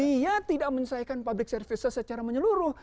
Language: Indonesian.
dia tidak menyelesaikan public services secara menyeluruh